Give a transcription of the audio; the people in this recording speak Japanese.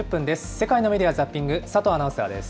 世界のメディア・ザッピング、佐藤アナウンサーです。